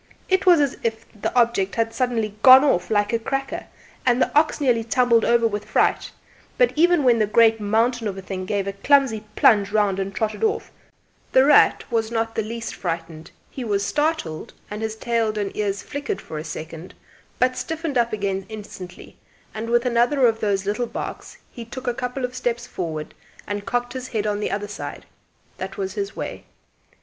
It was as if the object had suddenly 'gone off' like a cracker, and the ox nearly tumbled over with fright; but even when the great mountain of a thing gave a clumsy plunge round and trotted off, "The Rat" was not the least frightened; he was startled, and his tail and ears flickered for a second, but stiffened up again instantly, and with another of those little barks he took a couple of steps forward and cocked his head on the other side. That was his way.